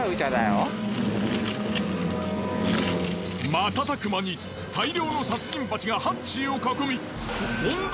瞬く間に大量の殺人バチがハッチーを囲み問答